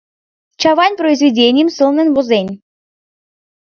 Чавайн произведенийым сылнын возен.